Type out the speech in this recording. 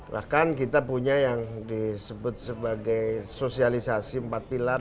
bahkan kita punya yang disebut sebagai sosialisasi empat pilar